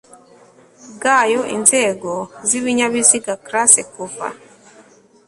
bwayo inzego z ibinyabiziga class kuva